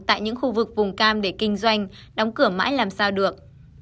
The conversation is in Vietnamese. tại những khu vực vùng cam để kinh doanh đóng cửa mãi làm sao được